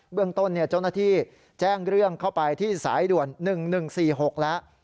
เบื้องต้นแจ้งเรื่องเข้าไปที่สายด่วน๑๑๔๖แล้ว